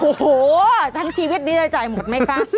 โอ้โหทั้งชีวิตนี้จะจ่ายหมดไหมคะ